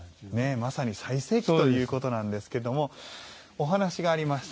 まさに最盛期ということですがお話がありました。